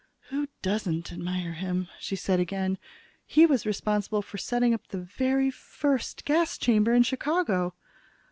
"Who doesn't admire him?" she said again. "He was responsible for setting up the very first gas chamber in Chicago."